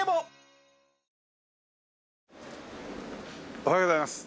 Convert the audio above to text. おはようございます。